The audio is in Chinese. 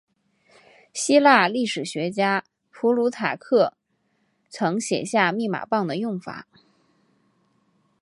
希腊历史学家普鲁塔克曾写下密码棒的用法。